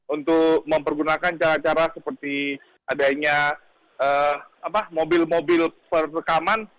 untuk mempergunakan cara cara seperti adanya mobil mobil perekaman